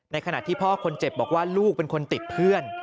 ขณะที่พ่อคนเจ็บบอกว่าลูกเป็นคนติดเพื่อน